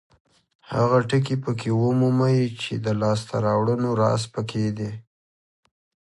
هغه ټکي پکې ومومئ چې د لاسته راوړنو راز پکې دی.